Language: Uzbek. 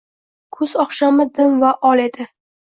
Kuz oqshomi dim va ol edi.